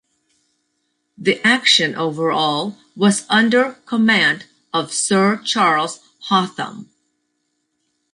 The action overall was under command of Sir Charles Hotham.